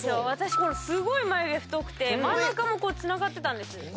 私すごい眉毛太くて真ん中もつながってたんです。